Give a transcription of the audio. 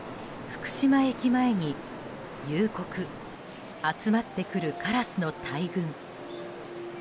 福島駅前に夕刻、集まってくるカラスの大群。